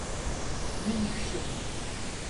Mi yekcem.